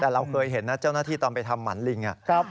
แต่เราเคยเห็นนะเจ้าหน้าที่ตอนไปทำหมันลิง